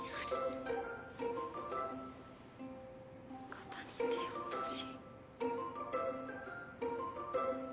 肩に手を落とし。